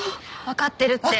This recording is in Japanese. わかってるって。